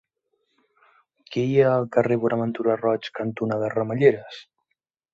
Què hi ha al carrer Bonaventura Roig cantonada Ramelleres?